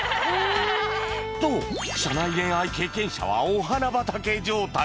と社内恋愛経験者はお花畑状態